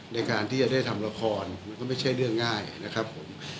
ในการที่จะได้ทำละครมันก็ไม่ใช่เรื่องง่ายนะครับผม